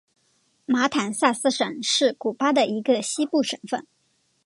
马坦萨斯省是古巴的一个西部省份。